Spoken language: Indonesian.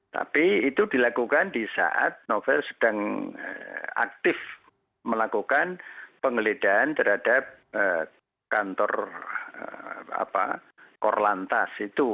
tapi itu dilakukan di saat novel sedang aktif melakukan penggeledahan terhadap kantor korlantas itu